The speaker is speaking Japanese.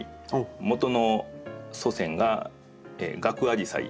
もとの祖先がガクアジサイ。